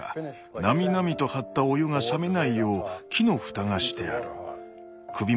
なみなみと張ったお湯が冷めないよう木の蓋がしてあるの。